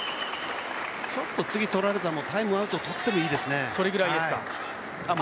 ちょっと次、取られたらタイムアウトを取ってもいいですね。